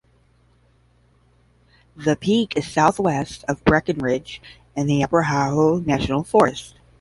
The peak is southwest of Breckenridge in the Arapaho National Forest.